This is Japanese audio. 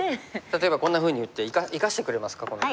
例えばこんなふうに打って生かしてくれますかこんな。